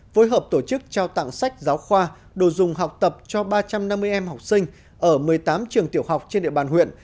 phối hợp tổ chức trao tặng sách giáo khoa đồ dùng học tập cho ba trăm năm mươi em học sinh ở một mươi tám trường tiểu học trên địa bàn huyện